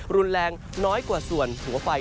รุนแรงน้อยกว่าส่วนหัวไฟ